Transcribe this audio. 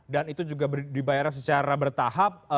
dan itu juga dibayarnya secara bertahap